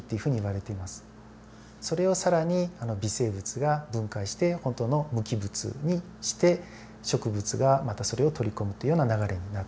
それを更に微生物が分解してほんとの無機物にして植物がまたそれを取り込むというような流れになっています。